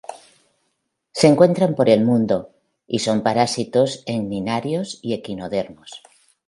Se encuentran por el mundo, y son parásitos en cnidarios y equinodermos.